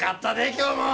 今日も。